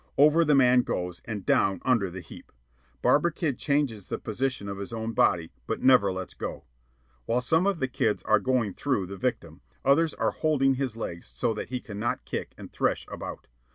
Over the man goes, and down under the heap. Barber Kid changes the position of his own body, but never lets go. While some of the kids are "going through" the victim, others are holding his legs so that he cannot kick and thresh about.